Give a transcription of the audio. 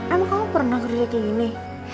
emang kamu pernah kerja kayak gini